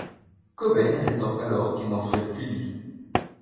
Cobain rétorque alors qu'il n'en ferait plus du tout.